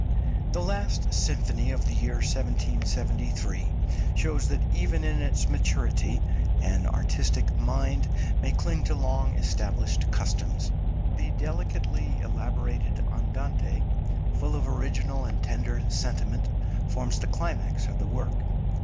The last Symphony of the year 1773 shows that even in its maturity an artistic mind may cling to long established customs. The delicately elaborated Andante, full of original {INSTRUMENTAL MUSIC.} (292) and tender sentiment, forms the climax of the work.